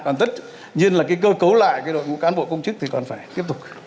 còn tất nhiên là cái cơ cấu lại cái đội ngũ cán bộ công chức thì còn phải tiếp tục